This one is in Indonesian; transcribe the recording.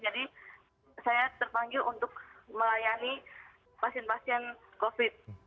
jadi saya terpanggil untuk melayani pasien pasien covid sembilan belas